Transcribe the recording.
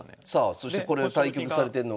そしてこれを対局されてるのが？